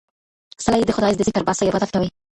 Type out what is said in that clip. څله يې د خداى د ذکر باسې ، عبادت کوي